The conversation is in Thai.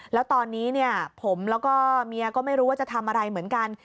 แล้วตอนนี้เนี่ยผมแล้วก็เมียก็ไม่รู้ว่าจะทำอะไรเหมือนกัน